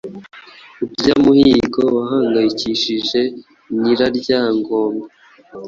Urya muhigo wahangayikishije Nyiraryangombe.